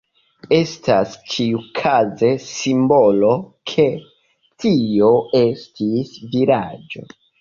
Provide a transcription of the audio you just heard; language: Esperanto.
Estas ĉiukaze simbolo, ke tio estis vilaĝo.